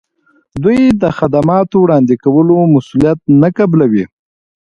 دوی د خدماتو وړاندې کولو مسولیت نه قبلوي.